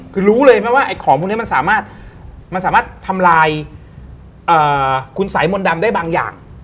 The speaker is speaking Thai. คือรู้เลยไหมว่าของคุณนี้มันสามารถทำลายคุณสายมนต์ดำได้บางอย่าง